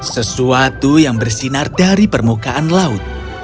sesuatu yang bersinar dari permukaan laut